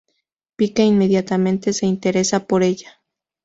Pike inmediatamente se interesa por ella.